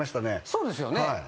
そうですよね。